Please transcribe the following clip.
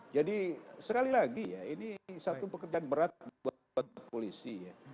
jadi sekali lagi ya ini satu pekerjaan berat buat polisi ya